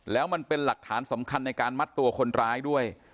แล้วมันเป็นหลักฐานสำคัญในการมัดตัวคนร้ายด้วย